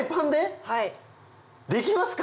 できますか？